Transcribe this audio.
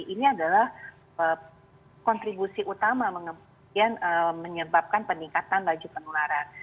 ini adalah kontribusi utama kemudian menyebabkan peningkatan laju penularan